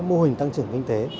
mô hình tăng trưởng kinh tế